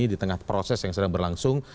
di tengah proses yang sedang berlangsung